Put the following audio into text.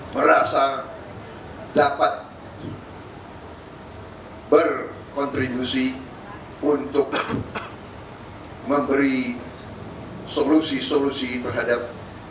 merasa dapat berkontribusi untuk memberi solusi solusi terhadap